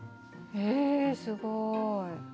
えすごい。